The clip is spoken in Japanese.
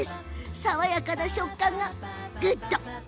爽やかな食感がグッド。